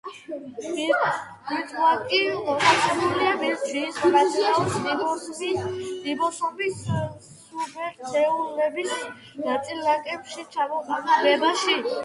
ბირთვაკი მოთავსებულია ბირთვში, ის მონაწილეობს რიბოსომის სუბერთეულების -ნაწილაკების ჩამოყალიბებაში.